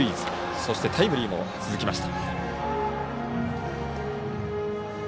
そしてタイムリーも続きました。